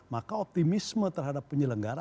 maka optimisme terhadap penyelenggara